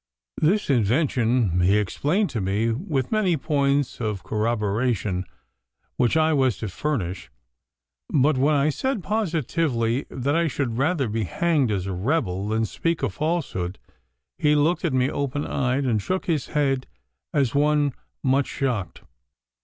This invention he explained to me, with many points of corroboration which I was to furnish, but when I said positively that I should rather be hanged as a rebel than speak a falsehood, he looked at me open eyed, and shook his head as one much shocked.